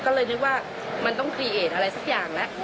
ก็เลยนึกว่ามันต้องคลีเอทอะไรสักอย่างแล้ว